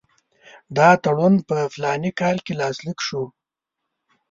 دا تړون په فلاني کال کې لاسلیک شو.